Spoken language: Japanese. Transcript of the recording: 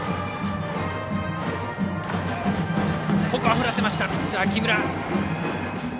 振らせました、ピッチャー木村。